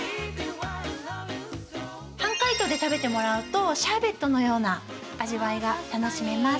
半解凍で食べてもらうとシャーベットのような味わいが楽しめます。